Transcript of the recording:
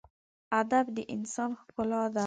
ادب د انسان ښکلا ده.